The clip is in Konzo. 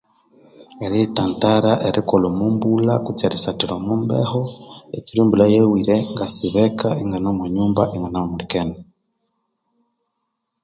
Eriyitantara erikolha omwa mbulha, kutse erisathasathira omwa mbeho, ekyiro embulha yawire ngasiba eka ingane omwa nyumba inganahumulikene.